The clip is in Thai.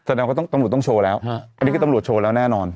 แสดงว่าตำรวจต้องโชว์แล้วอันนี้คือตำรวจโชว์แล้วแน่นอน